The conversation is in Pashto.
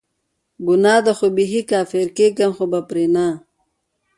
ګناه ده خو بیخي کافره کیږم خو به پری نه